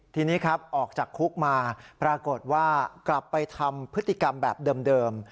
ทีนี้ครับออกจากคุกมาปรากฏว่ากลับไปทำพฤติกรรมแบบเดิม